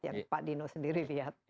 yang pak dino sendiri lihat